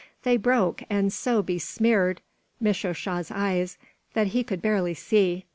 They broke and so besmeared Misho sha's eyes that he could barely see.